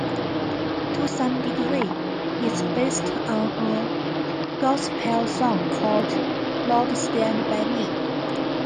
To some degree, it's based on a gospel song called "Lord Stand By Me".